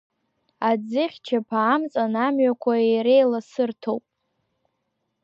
Аӡыхьчаԥа амҵан амҩақәа иреиларсырҭоуп…